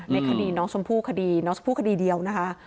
ในคดีน้องชมพู่คดีน้องชมพู่คดีเดียวนะคะ